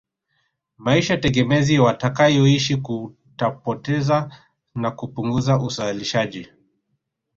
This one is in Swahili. Maisha tegemezi watakayoishi kutapoteza na kupunguza uzalishaji